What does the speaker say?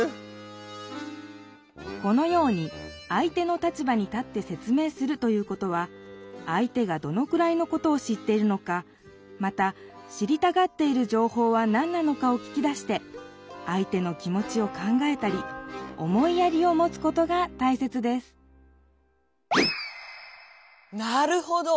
このように「相手の立場に立って説明する」ということは相手がどのくらいのことを知っているのかまた知りたがっているじょうほうは何なのかを聞き出して相手の気もちを考えたり思いやりをもつことがたいせつですなるほど！